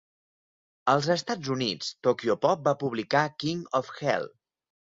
Als Estats Units, Tokyopop va publicar "King of Hell".